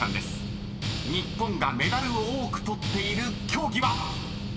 ［日本がメダルを多く取っている競技は⁉］